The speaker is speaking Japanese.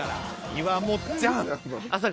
岩もっちゃん。